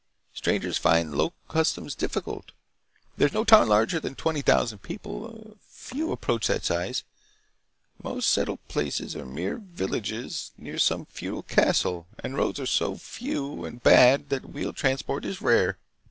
Strangers find the local customs difficult. There is no town larger than twenty thousand people, and few approach that size. Most settled places are mere villages near some feudal castle, and roads are so few and bad that wheeled transport is rare."